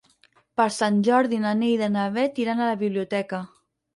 Per Sant Jordi na Neida i na Bet iran a la biblioteca.